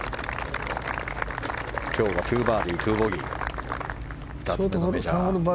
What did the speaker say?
今日は２バーディー、２ボギー。